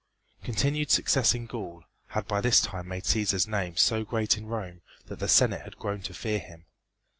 Continued success in Gaul had by this time made Cæsar's name so great in Rome that the Senate had grown to fear him.